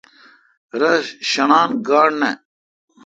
رس شݨان گانٹھ نہ۔